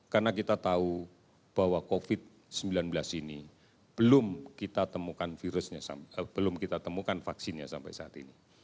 karena kita tahu bahwa covid sembilan belas ini belum kita temukan virusnya belum kita temukan vaksinnya sampai saat ini